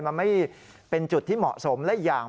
มันไม่เป็นจุดที่เหมาะสมและอีกอย่าง